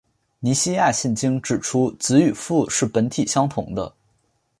尼西亚信经指出子与父是本体相同的。